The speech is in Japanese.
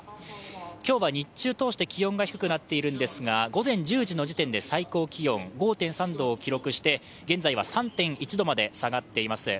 今日は日中通して気温が低くなっているんですが午前１０時の時点で最高気温５．３度を記録して現在は３．１度まで下がっています。